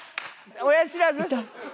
親知らず？